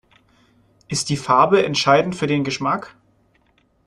Ist die Farbe entscheidend für den Geschmack?